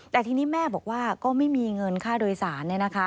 แต่ทีนี้แม่บอกว่าก็ไม่มีเงินค่าโดยสาร